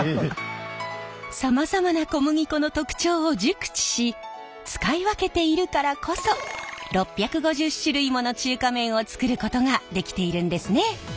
さまざまな小麦粉の特長を熟知し使い分けているからこそ６５０種類もの中華麺を作ることができているんですね。